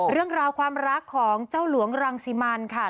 เรื่องราวความรักของเจ้าหลวงรังสิมันค่ะ